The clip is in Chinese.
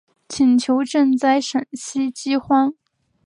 请求赈灾陕西饥荒。